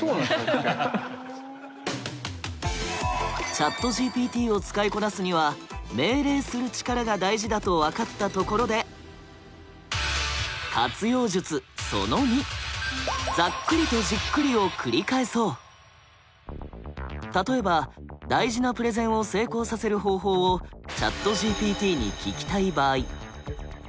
ＣｈａｔＧＰＴを使いこなすには命令する力が大事だと分かったところで例えば大事なプレゼンを成功させる方法をＣｈａｔＧＰＴに聞きたい場合。